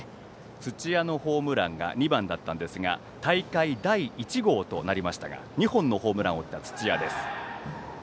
土屋のホームランが２番だったんですが大会第１号となりましたが２本のホームランを打った土屋です。